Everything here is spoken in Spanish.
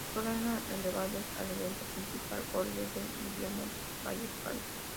Sólo eran elevados al evento principal Goldberg y Diamond Dallas Page.